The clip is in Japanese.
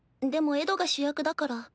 でもエドが主役だから。